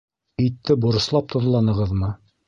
Итте борослап тоҙланығыҙмы?